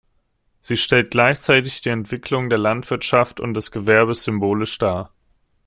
Sie stellt gleichzeitig die Entwicklung der Landwirtschaft und des Gewerbes symbolisch dar.